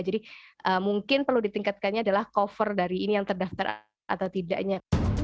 jadi mungkin perlu ditingkatkannya adalah cover dari ini yang terdaftar atau tidaknya